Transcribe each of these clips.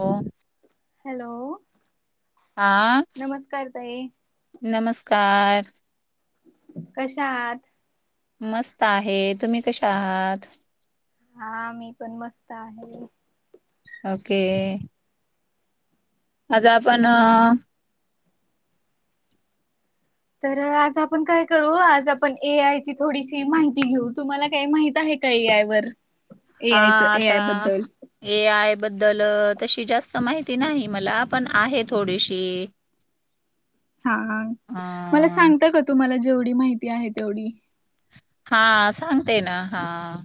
हो हॅलो. आ नमस्कार ताई नमस्कार कशा आहात. मस्त आहे तुम्ही कशा आहात. हा मी पण मस्त आहे. ओके. आज आपण तर आज आपण काय करू आज आपण ए आय ची थोडीशी माहिती घेऊ तुम्हाला काही माहित आहे. काही यायवरर. हा आता ये. बद् त जास्त माहिती नाही मला पण आहे थोडीशी हा अ मला सांगता का तुम्हाला जेवढी माहिती आहे तेवढी हा सांगते ना हा.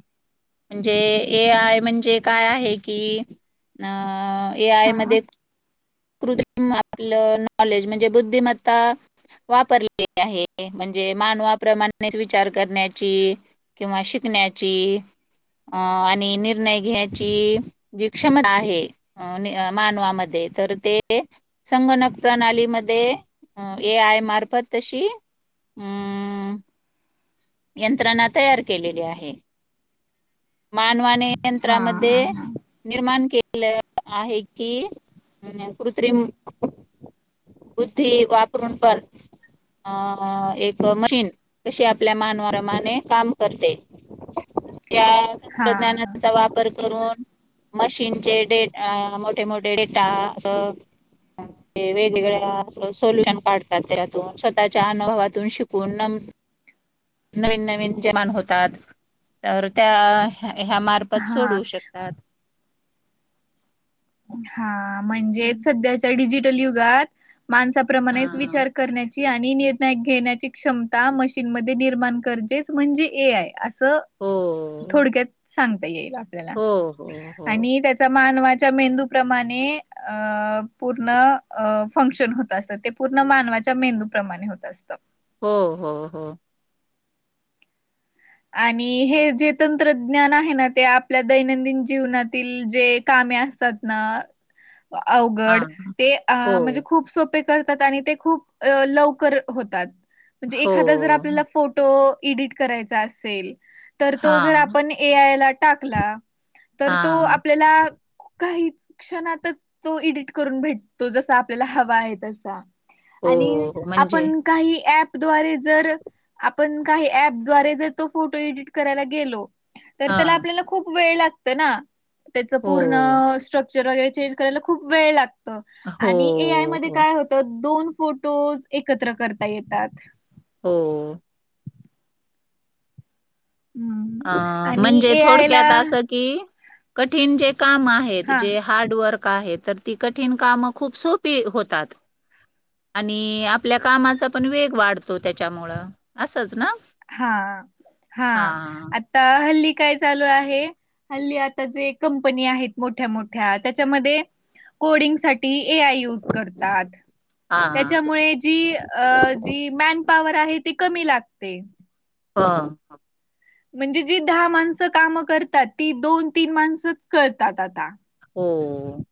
म्हणजे ए आय म्हणजे काय आहे की अ ए आय हा मध्ये कृिम आपलं नॉलेज म्हणजे बुद्धिमत्ता वापरलेली आहे म्हणजे मानवाप्रमाणे विचार करण्याची किंवा शिकण्या पुण्याची अ आणि निर्णय घ्यायची जी क्षमता आहे मानवामध्ये तर ते संगणक प्रणालीमध्ये ए आय मार्फत तशी हम्म. यंत्रणा तयार केलेली आहे मानवाने हा यंत्रामध्ये निर्माण के आहे की कृत्रिम बुधी वापरून प अ एक मशीन कशी आपल्या मानमाने काम करते त्या हा तंत्रज्ञानाचा वापर. ून मशीनचे डे मोठे मोठे डेटा अस. ते वेगवेगळ्या असं सोल्युशन काढतात त्यातून स्वतःच्या अनुभवातून शिकून नवीन नवीन निर्माण होतात तर त्या ह्या मार्फत हा सोडू शकतात. हा म्हणजे हम्म. सध्याच्या डिजिटल युगात हा माणसाप्रमाणेच विचार करण्या आणि निर्णय घेण्याची क्षमता मशीन म निर्माण करजच म्हणजे ए आय अस हो थोडक्यात सांगता येईल आपल्याला हो हो हो आणि त्याचा मेंदू प्रमाणे पूर्ण फंक्शन होत असत पूर्ण मान मेंदू प्र्रमाणे होत असत. हो हो हो आणि हे जे तंत्रज्ञान आहे ना ते आपल्या दैनंदिन जीवनातील जे काम जे काम हा अवघड हो असतात ना ते सोप्या पद्धतीने अपेक्षाप्रमाणे लवकर होतात म्हणजेच हो एखादा फोटो इडिट करायचा असेल तर तो हा जर आपण ए आय ला टाकला तर तो हा आपल्याला काही क्षणातच तो एडिट करून भेटतो जसा आपल्याला हवा आहे तसा हो आणि हो म्हणजे आपण काही ॲपद्वारे जर वारे जर तो फोटो एडिट करायला गेलो तर हा त्याला आपल्याला खूप वेळ लागत ना त्याच पूर्ण हो स्ट्रक्चर वगैरे चेंज करायला खूप वेळ लाग हो आणि ए आय मध्ये हो काय होत दोन फोटोज एकत्र करता येतात हो हम्म अ आणि म्हणजे ए आय ला थोडक्यात असं कि कठीण जे काम आहेत हा जे हार्डवर्क तर त कठीण काम खूप सोपी होतात आणि आपल्या कामाचा पण वेग वाढतो त्याच्यामुळ असच ना हा हा आता हल्ली काय चालू आहे हल्ली आता जे कंपनी आहेत मोठ्या मोठ्या त्याच्यामध्ये कोडिंगसाठी टी ए आय यूज करतात हा त्याच्यामुळे जी जी मॅन पवर आहे ती कमी लागते हा हा म्हणजे जी दहा माणसं कामं करतात ती दोन तीन माणसंच करतात आता हो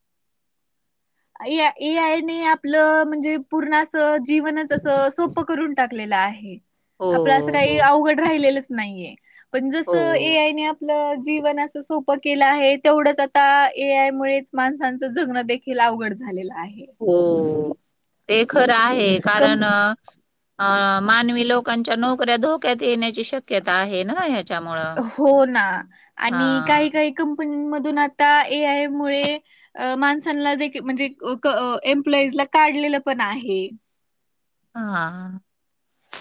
ए ए आय न आपलं म्हणजे पूर्ण असं जीवनच असं सोपं करून टाकत हो हो [unintelligible] आपल असं हो काही अवघड राहिलेलंच नाहीये पण जसं ए हो आय ने आपलं जीवन असं सोपं केलं आहे तेवढंच आता ए आय मुळे माणसांचं जगणं देखील लावगड झालेला- हो ते खरं आहे कारण कंप अ मानवी लोकांच्या नोकऱ्या धोक्यात येण्याची शक्यता आहे ना ह हो ना आणि काही काही कंपनी म्हणून एआय मुळे माणसांना देखील म्हणजे एम्प्लॉयीज ला [inaudible] [unintelligible] पण आहे हा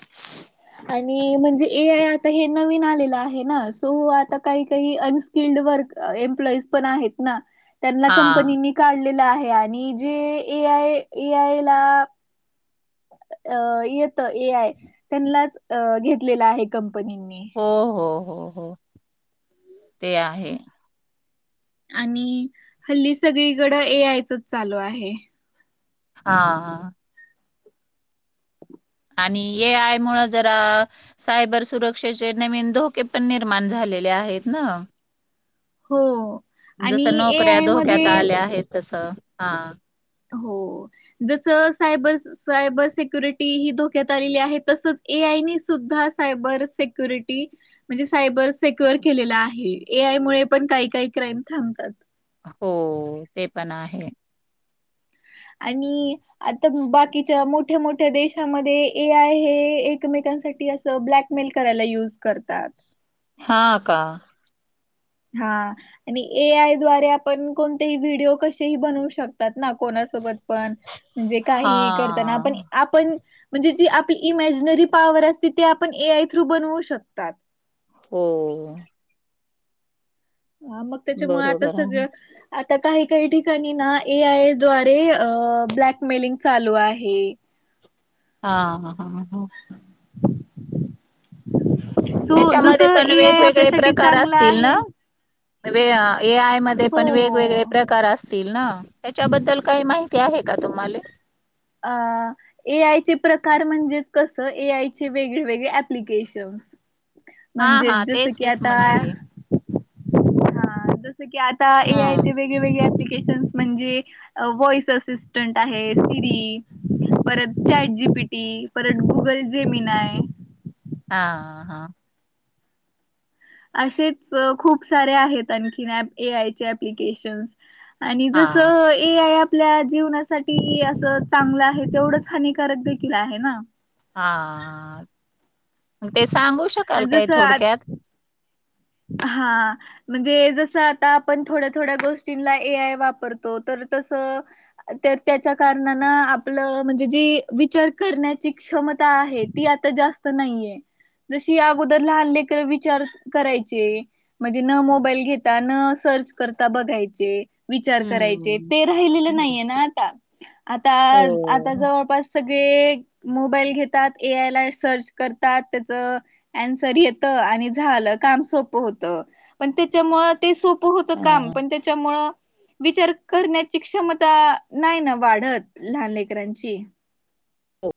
ह [unintelligible] आणि म्हणजे ए आय आता हे नवीन आलेलं आहे ना सो आता काही काही अनस्किल्ड एम्पलॉइज पण आहेत ना त्यांना हा कंपनीनी काढलेलं आहे आणि जे ए आय ए आय ला अ येत ए आय त्यांनाच घेतलेला आहे कं हो हो हो हो ते आहे. आणि हल्ली सगळीकडं ए आय चच चालू आहे. हा हा आणि ए आय मुळ जरा सायबर सुरक्षेचे नवीन धोके पण निर्माण झाले [unintelligible] आहेत ना हो आणि जसं ए नोकऱ्या आय धोक्यात मध्ये आल्या आहेत तसं हा हो जसं सायबर सायबर सक्युरिटी ही धोक्यात आलेली आहे तसं ए एआय नी सुध्दा सायबर सेक्युरिटी म्हणजे सायबर सेक्यर केले आहेय एआय मुळे पण काही काही क्राईम थांबतात. हो, ते पण आहे आणि आता बाकीच्या मोठ्या मोठ्या देशामध्ये एआय हे आहे एकमेक [unintelligible] असं ब्लॅकमिल करायला युज करतात. हां का हा आणि ए आय द्वारे आपण कोणतेही व्हिडिओ कसेही बनवु शकतात ना कोणासोबत पण, म्हणजे हा काहीही करताना आपण आपण म्हणजे जी आपली इमॅजिनरी पॉवर असते ते आपण ए आय थ्रू बनवू शकतात. हो. हा मग त्याच्यामुळे आता बरोबर आहे. सगळं आता काही काही ठिकाणी ना ए आय द्वारे ब्ककमेलिंग चालु आहे. हा, हां, सो त्याच्यामध्ये जसं पण ए आय वेगवेगळे आपल्यासाठी प्रकार चांगलं असतील ना? आहे - ए आय मध्ये पण वेगवेगळे हो प्रकार असतील ना? त्याच्याबद्दल काही माहि ते आहे का तुम्हाले? - ए आयचे प्रकार म्हणजेच कस ए आयचे वेगळेवेेगळे एप्लीकेशनस. हा म्हणजे हा जसं तेच की तेच आता म्हणायले हा जसं की आता, ए आय हम्म चे वेगळे वेगळे एप्ली एप्लीकेशन म्हणजे व्हॉइस असिस्टंट आहे, सिरीज परत चॅट जीपीटी, परत गुगल जेमिन हाय, हा हा- असेचं खुप सारे आहेत आणखी ॲप ए आय चे एप्लीकेशन- आणि हा जसं ए आय [inaudible] आपल्या जीवनासाठी असं चांगलं आहे तेवढंच हानिकारक देखील आहे ना. हा ते सांगू शकाल काय जसं थोडक्यात? हा म्हणजे जस आता आपण थोड्या थोड्या गोष्टींला ए आय वापरतो, तर- कार आप म्हणज विचार क [unintelligible] क्षमता आहे, ती आता जास्त नाहीये, जशी अगोदर लहान लेकर विचार करायची म्हणजे न मोबाईल घेता, न सर्च करता, बघायचे, - विचार करायचे, हम्म ते राहिलेले हम्म. नाहीये ना आता. आता, हो आता जवळपास स- मोबाईल घेतात, ए आय ला सर्च करतात, त्याच अन्सर येतं, - आणि झालं काम सोप होत, पण त्याच्यामुळ ते सोप होत हा. काम पण त्याच्यामुळं विचार करण्याची क्षमता नाही ना वाढत, लहान लेकरांची. ह [inaudible] हो.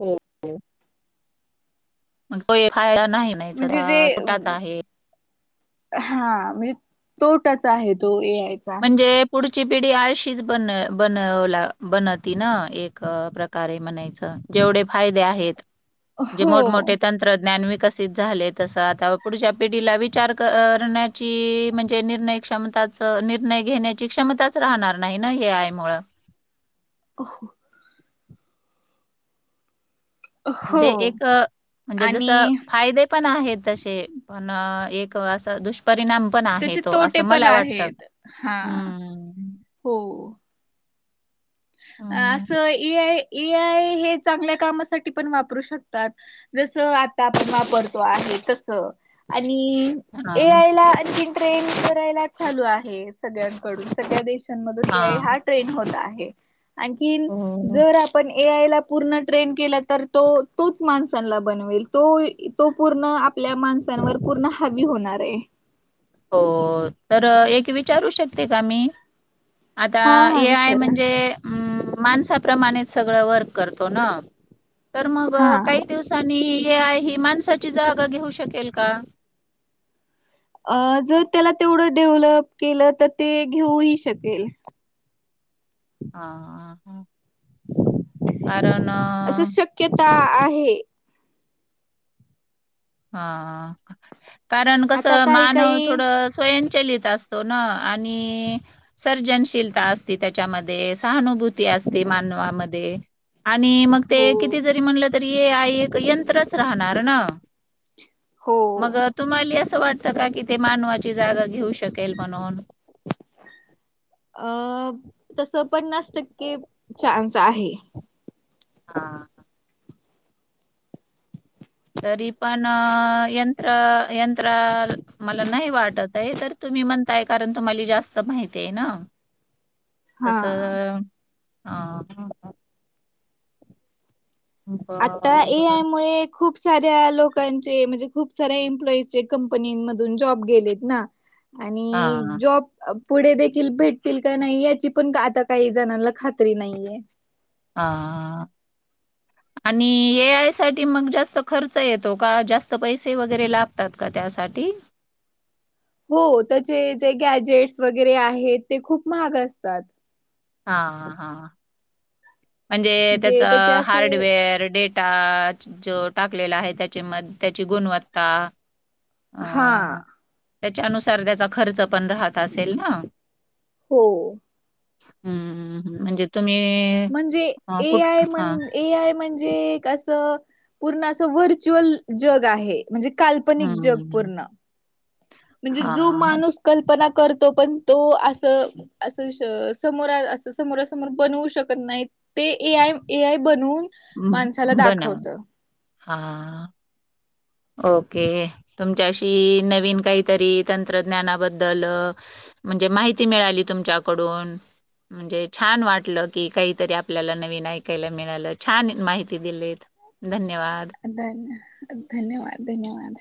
हो. मग तो फायदा नाही, [unintelligible] नाहीचा म्हणजे जे तुटाचा आहे हा म्हणजे तोटाच आहे तो ए आय. चा. म्हणजे- पुढची पिढी आळशीच बन बनवला बनवती ना एक प्रकारे म्हणायचं, जेवढे फायदे आहेत, जे हो मोठं मोठे तंत्रज्ञान विकसित झाले, तस आता पुढच्या पिढीला विचार करण्याची म्हणजे निर्णय क्षमता निर्णय घेण्याची क्षमताच राहणार नाही ना, ए आय मुळ- [inaudible] हो म्हणजे एक म्हणजे जस आणि फायदे पण आहेत तशे, पण एक अस दुष परिणाम पण आहे त्याचे तो तोटे असं पण मला वाटत. आहेत. हा हम्म.. अ हं. असं इ आय ए आय हे चांगल्या कामासाठी पण वापरू शकतात, जसं आता आपण वापरतो आहे. त ए हां. आय [unintelligible] ट्रेन करायला चालू आहे सगळ्यांकडून, सगळ्या देशांमधून या हा हां. ट्रेन होत आहे. आणखीन, हो. जर आपण- ए आय ला पूर्ण ट्रेन केला तर, तो तोच माणसांला बनवेल तो तो पूर्ण- आपल्या माणसांवर पूर्ण हवी होणार आहे. हो तर एक विचारू शकते का मी आता हा हा हे आय विचारा म्हणजे म माणसाप्रमाणेच सगळं वर्क करतो ना तर मग हा. काही दिवसांनी आहे ह माणसाची जागा घेऊ शकेल का? अ जर त्याला तेवढं डेव्हलप केलं तर ते घेऊ ही शकेल [unintelligible] हा. असं शक्यता आहे. हा कारण कस आता काही मानव काही थोडं स्वयं लित असतो ना आणि सर्जनशीलता असते त्याच्यामध्ये सहानुभूती असते मानवामध्ये आणि मग ते हो किती जरी म्हणलं तरी ये आई एक यंत्रच राहणार ना हो मग तुम्हाला असं वाटत का कि ते मानवाची जागा घेऊ शकेल म्हणून [unintelligible] अ तस पन्नास टक्के चान्स आहे हा हा. तरी पण यंत्र यंत्र मला नाही वाटत आहे तर तुम्ही म्हणताय कारण तुम्हाला जास्त माहिती आहे ना हा तस ह. आता ए आय बरोबर मु खूप साऱ्या लोकां चे खूप सारा एम्प्लॉयींची कंपनीमध्ये जॉब गेलेत ना आणि हा जॉब पुढे देखील भेटतील का नाही याची पण आता काही जणांना खात्री नाहीये हा. [unintelligible] आणि ए आय साठी मग जास्त खर्च येतो का जास्त पैसे वगैरे लागतात का त्यासाठी [inaudible] हो त्याचे जे गॅजेट्स वगैरे आहेत ते खूप महाग असतात. हा हा. म्हणजे त्याच जे त्याचे असे हार्डवेअर डे डेटा जो टाकलेला आहे त्याची म त्याची गुणवत्ता अ हा त्याच्यानुसार त्याचा खर्च पण राहत असेल ना हो. हम्म म्हणजे तुम्ही म्हणजे अ ए कुठ आय म्हण हा ए आय म्हणजे असं पूर्ण अस व्हर्च्युअल जग आहे म्हणजे काल्पनिक जग हम्म पूर्ण म्हणजे हा जो हा माणूस कल्पना करतो पण तो असं असं समोरा अस समोरा समोर बनवू शकत नाहीत ते ए आय ए आय बनून माणसाला बनव दाखवत हा ओके तुमच्याशी नवीन काहीतरी तंत्रज्ञानाबद्दल म्हणजे माहिती मिळाली तुमच्याकडून म्हणजे छान वाटलं की काहीतरी आपल्याला नवीन ऐकायला मिळालं छान माहिती दिली. धन्यवाद. धन्य धन्यवाद धन्यवाद.